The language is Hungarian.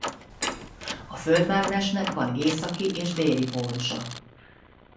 A Föld-mágnesnek van északi és déli pólusa.